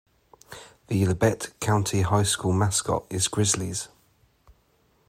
The Labette County High School mascot is Grizzlies.